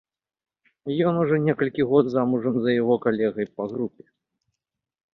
Ён ужо некалькі год замужам за яго калегай па групе.